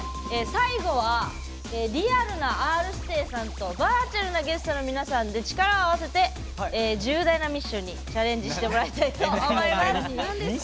最後はリアルなＲ‐指定さんとバーチャルなゲストの皆さんで力を合わせて重大なミッションにチャレンジしてもらいたいと思います。